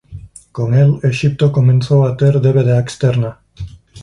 Con el Exipto comezou a ter débeda externa.